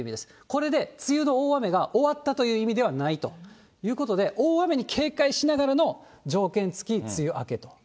これで梅雨の大雨が終わったという意味ではないということで、大雨に警戒しながらの条件付き梅雨明けと。